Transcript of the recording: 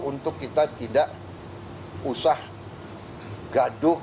untuk kita tidak usah gaduh